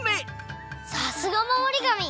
さすがまもりがみ！